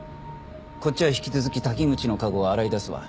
こっちは引き続き滝口の過去を洗い出すわ。